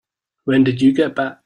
When did you get back?